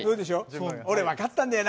俺、分かったんだよな。